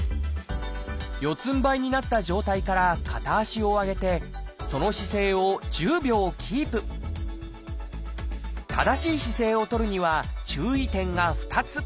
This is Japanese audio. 四つんばいになった状態から片足を上げてその姿勢を１０秒キープ正しい姿勢を取るには注意点が２つ。